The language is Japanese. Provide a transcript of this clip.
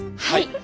はい。